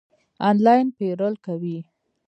آنلاین پیرل کوئ؟